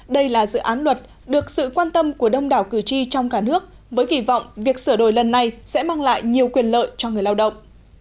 đây là dự án luật được sự quan tâm của đông đảo cử tri trong cả nước với kỳ vọng việc sửa đổi lần này sẽ mang lại nhiều quyền lợi cho người lao động